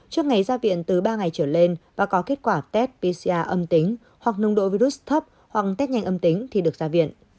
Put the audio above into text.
trước ngày ra viện từ ba ngày trở lên và có kết quả test pcr âm tính hoặc nồng độ virus thấp hoặc test nhanh âm tính thì được ra viện